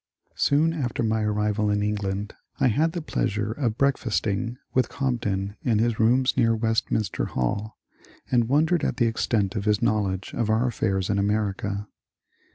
Soon after my arrival in England I had the pleasure of breakfasting with Cobden in his rooms near Westminster Hall, and wondered at the extent of his knowledge of our affairs in America.